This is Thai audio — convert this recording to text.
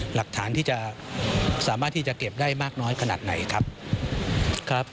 หลักฐานที่จะสามารถที่จะเก็บได้มากน้อยขนาดไหนครับครับ